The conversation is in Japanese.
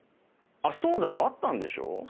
そうだよ会ったんでしょ？